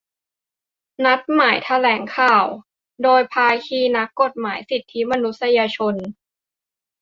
นัดหมายแถลงข่าว โดยภาคีนักกฎหมายสิทธิมนุษยชน